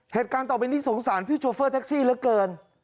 เหตุการณ์ต่อไปนี้สงสารพี่โชเฟอร์แท็กซี่เหลือเกิน